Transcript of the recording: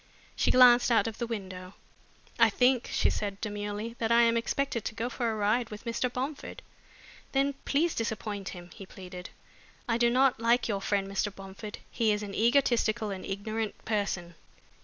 She glanced out of the window. "I think," she said demurely, "that I am expected to go for a ride with Mr. Bomford." "Then please disappoint him," he pleaded. "I do not like your friend Mr. Bomford. He is an egotistical and ignorant person.